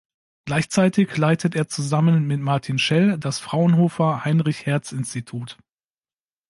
Gleichzeitig leitet er zusammen mit Martin Schell das Fraunhofer Heinrich-Hertz-Institut.